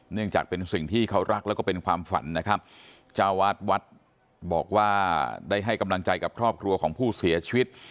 เนื่องจากเป็นสิ่งที่เขารักแล้วก็เป็นความฝันนะครับเจ้าวาดวัดบอกว่าได้ให้กำลังใจกับครอบครัวของผู้เสียชีวิต